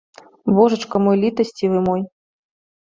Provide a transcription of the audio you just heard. Божачка мой, літасцівы мой!